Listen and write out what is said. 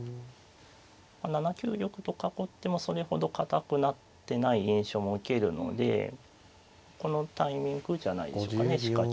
７九玉と囲ってもそれほど堅くなってない印象も受けるのでこのタイミングじゃないでしょうかね仕掛けは。